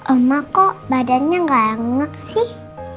oma kok badannya gak anget sih